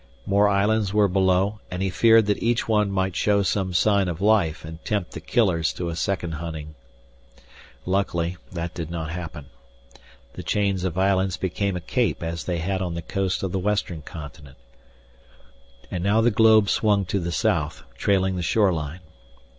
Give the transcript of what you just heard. More islands were below, and he feared that each one might show some sign of life and tempt the killers to a second hunting. Luckily that did not happen. The chains of islands became a cape as they had on the coast of the western continent. And now the globe swung to the south, trailing the shore line.